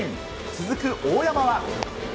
続く大山は。